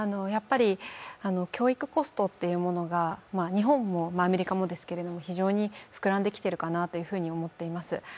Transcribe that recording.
教育コストというものが、日本もアメリカもですけれども非常に膨らんできているかなと思っています。